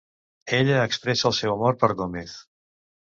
Ella expressa el seu amor per Gómez.